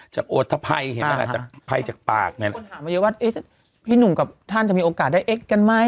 จะโอทภัพย์ไพ่จากปากท่านทำไมโอกาสได้เอ๊กส์อัลไลบ์